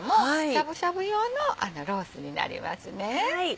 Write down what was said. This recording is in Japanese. しゃぶしゃぶ用のロースになりますね。